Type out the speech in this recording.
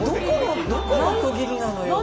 どこの区切りなのよ。